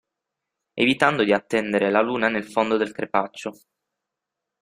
Evitando di attendere la Luna nel fondo del crepaccio.